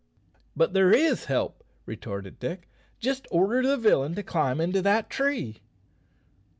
"But there is help," retorted Dick. "Just order the villain to climb into that tree."